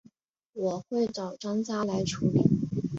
我会找专家来处理